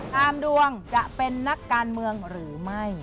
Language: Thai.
ตามดวงจะเป็นนักการเมืองหรือไม่